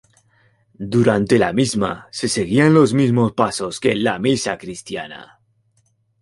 Durante la misma se seguían los mismos pasos que en la misa cristiana.